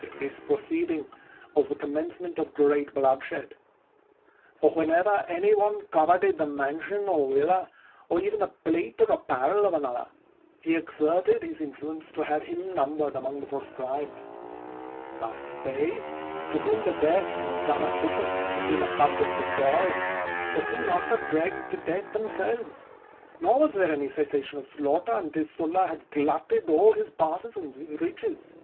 Yet this proceeding was the commencement of great bloodshed. For whenever any one coveted the mansion or villa, or even the plate or apparel of another, he exerted his influ ence to have him numbered among the pro scribed. Thus they, to whom the death of Dama sippus had been a subject of joy, were soon after dragged to death themselves ; nor was there any cessation of slaughter, until Sulla had glut ted all his partizans with riches.